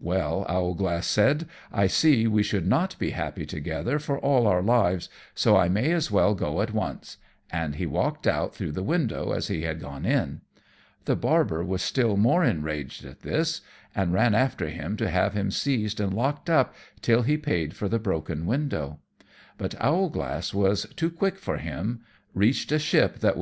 "Well," Owlglass said, "I see we should not be happy together for all our lives, so I may as well go at once;" and he walked out through the window as he had gone in. The Barber was still more enraged at this, and ran after him to have him seized and locked up till he paid for the broken window; but Owlglass was too quick for him, reached a ship th